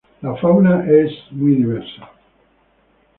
La fauna es muy diversa.